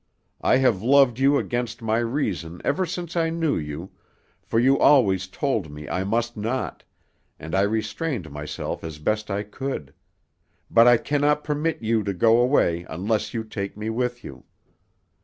I have loved you against my reason ever since I knew you, for you always told me I must not, and I restrained myself as best I could. But I cannot permit you to go away unless you take me with you.